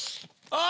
あ！